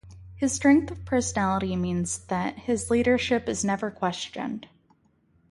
His strength of personality means that his leadership is never questioned.